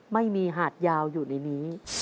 ไม่มีหาดยาวอยู่ในนี้